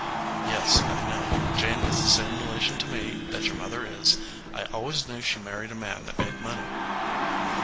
"Yes, I know. Jane is the same relation to me that your mother is. I always knew she married a man that made money."